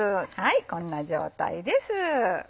こんな状態です。